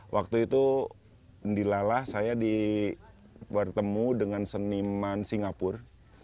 waktu itu di lalah saya di bertemu dengan seniman singapur